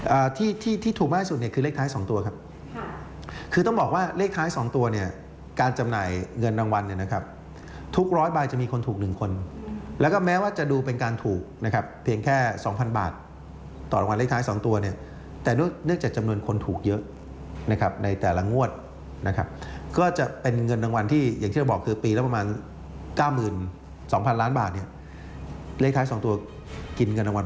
อ่าที่ที่ที่ถูกมากที่สุดเนี่ยคือเลขท้ายสองตัวครับคือต้องบอกว่าเลขท้ายสองตัวเนี่ยการจำหน่ายเงินรางวัลเนี่ยนะครับทุกร้อยใบจะมีคนถูกหนึ่งคนแล้วก็แม้ว่าจะดูเป็นการถูกนะครับเพียงแค่สองพันบาทต่อรางวัลเลขท้ายสองตัวเนี่ยแต่เนื่องจากจำนวนคนถูกเยอะนะครับในแต่ละงวดนะครับก็จะเป็นเงินรางวั